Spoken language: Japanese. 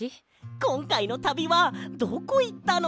こんかいのたびはどこいったの？